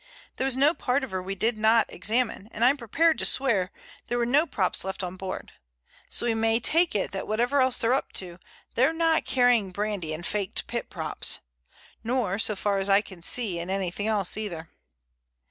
There was no part of her we didn't examine, and I'm prepared to swear there were no props left on board. So we may take it that whatever else they're up to, they're not carrying brandy in faked pit props. Nor, so far as I can see, in anything else either."